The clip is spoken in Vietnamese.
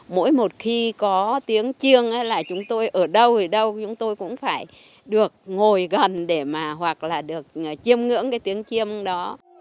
mỗi một khi có tiếng chiêng là chúng tôi ở đâu thì đâu chúng tôi cũng phải được ngồi gần để mà hoặc là được chiêm ngưỡng cái tiếng chiêm đó